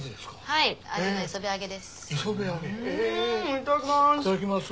いただきます！